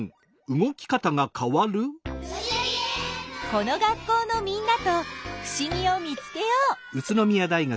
この学校のみんなとふしぎを見つけよう。